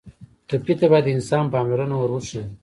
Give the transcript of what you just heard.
ټپي ته باید د انسان پاملرنه ور وښیو.